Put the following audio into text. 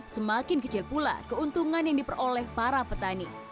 semakin kecil pula keuntungan yang diperoleh para petani